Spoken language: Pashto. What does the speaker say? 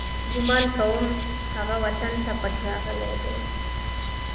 ګمان کوم، هغه وطن ته پټ راغلی دی.